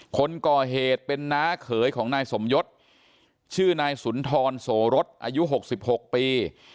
คนก่อเหตุเป็นน้าเขยของนายสมยศชื่อนายสุนทรโสรสอายุ๖๖ปี